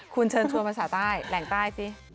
คุณเชิญชวนภาษาใต้แหล่งใต้สิ